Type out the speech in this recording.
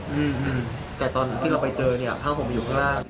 อืมแต่ตอนที่เราไปเจอเนี่ยถ้าผมอยู่ข้างล่าง